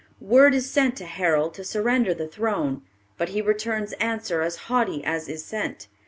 Word is sent to Harold to surrender the throne, but he returns answer as haughty as is sent.